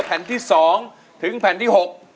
แผ่นที่๒ถึงแผ่นที่๖